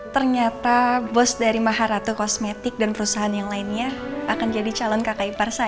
ternyata bos dari maharatu kosmetik dan perusahaan yang lainnya akan jadi calon kakai par saya